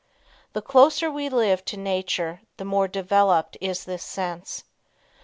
The closer we live to nature the more developed is this sense.